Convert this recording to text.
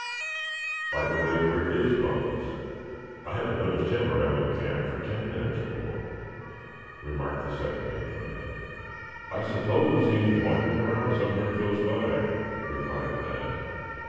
"By the way, where is Bumpus; I haven't noticed him around in camp for ten minutes or more?" remarked the second in command. "I suppose he's wandering around somewhere close by," replied Thad.